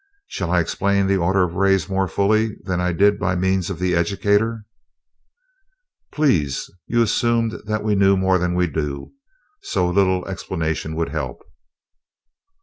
Shall I explain the orders of rays more fully than I did by means of the educator?" "Please. You assumed that we knew more than we do, so a little explanation would help."